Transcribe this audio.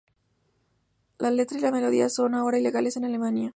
La letra y la melodía son ahora ilegales en Alemania.